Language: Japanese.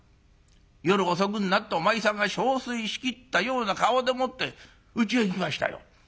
夜遅くになってお前さんが憔悴しきったような顔でもってうちに来ましたよ。